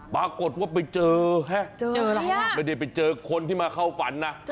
ปรากฏว่าไปเจอฮะไม่ได้ไปเจอคนที่มาเข้าฝันนะ